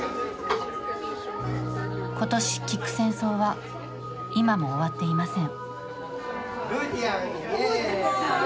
今年「聞く」戦争は、今も終わっていません。